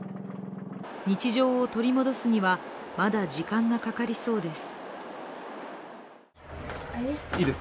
日常を取り戻すにはまだ時間がかかりそうです。